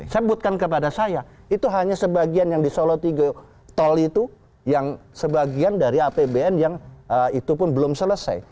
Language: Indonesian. sebutkan kepada saya itu hanya sebagian yang di solo tiga tol itu yang sebagian dari apbn yang itu pun belum selesai